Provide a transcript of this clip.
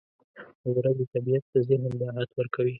• د ورځې طبیعت د ذهن راحت ورکوي.